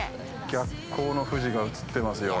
◆逆光の富士が映ってますよ。